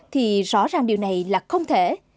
thì rõ ràng điều này là không thể